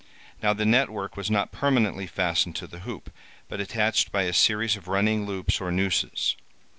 Now the net work was not permanently fastened to the hoop, but attached by a series of running loops or nooses.